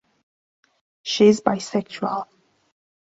She is bisexual